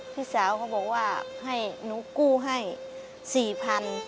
พี่สาวเขาบอกว่าให้หนูกู้ให้๔๐๐๐บาท